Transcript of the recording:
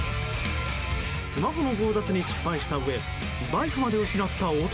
スマホの強奪に失敗したうえバイクまで失った男